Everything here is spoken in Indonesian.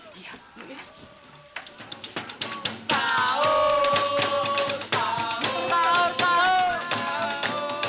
kalau tidak kena insang